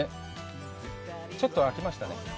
ちょっとあきましたね。